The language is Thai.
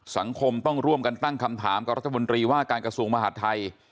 สังคมต้องร่วมกันตั้งคำถามกับรัฐมนตรีว่าการกระทรวงมหาดไทย